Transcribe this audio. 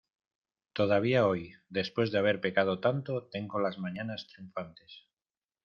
todavía hoy, después de haber pecado tanto , tengo las mañanas triunfantes